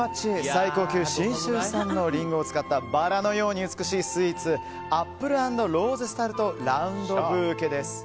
最高級信州産のリンゴを使ったバラのように美しいスイーツアップル＆ローゼスタルトラウンドブーケです。